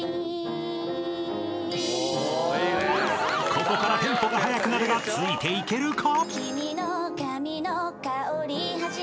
［ここからテンポが速くなるがついていけるか？］